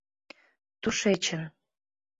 — Тушечын.